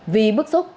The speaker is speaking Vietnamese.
vì bức xúc